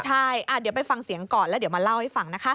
ใช่เดี๋ยวไปฟังเสียงก่อนแล้วเดี๋ยวมาเล่าให้ฟังนะคะ